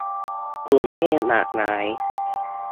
กลุ่มเพศหลากหลาย